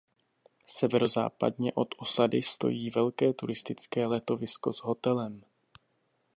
Severozápadně od osady stojí velké turistické letovisko s hotelem.